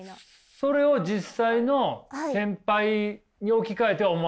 それを実際の先輩に置き換えては思わないんですか。